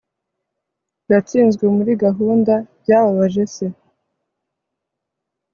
yatsinzwe muri gahunda, byababaje se